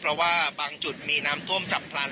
เพราะว่าบางจุดมีน้ำท่วมฉับพลัน